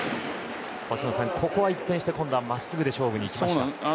星野さん、ここは一転して今度は真っすぐで勝負にいきました。